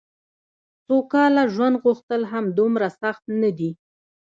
سوکاله ژوند غوښتل هم دومره سخت نه دي.